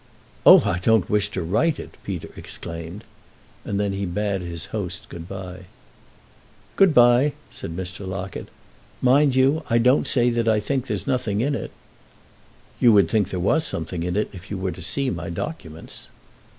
"Oh, I don't wish to write it!" Peter exclaimed. And then he bade his host good by. "Good by," said Mr. Locket. "Mind you, I don't say that I think there's nothing in it." "You would think there was something in it if you were to see my documents."